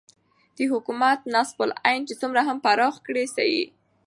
دحكومت نصب العين چې څومره هم پراخ كړى سي